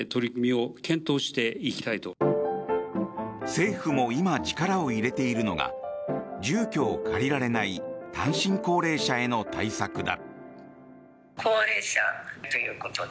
政府も今、力を入れているのが住居を借りられない単身高齢者への対策だ。